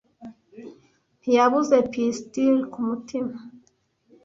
ntiyabuze pistil kumutima